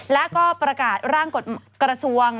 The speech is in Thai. และก็ประกาศร่างกฎกระทรวง